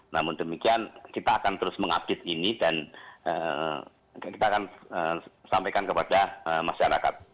namun demikian kita akan terus mengupdate ini dan kita akan sampaikan kepada masyarakat